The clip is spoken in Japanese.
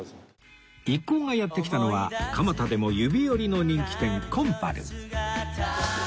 一行がやって来たのは蒲田でも指折りの人気店金春